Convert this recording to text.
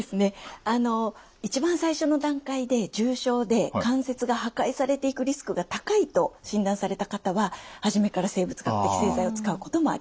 あの一番最初の段階で重症で関節が破壊されていくリスクが高いと診断された方は初めから生物学的製剤を使うこともあります。